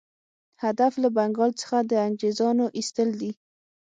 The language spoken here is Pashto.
هدف له بنګال څخه د انګرېزانو ایستل دي.